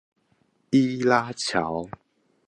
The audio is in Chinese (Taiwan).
伊拉橋